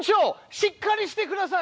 しっかりしてください！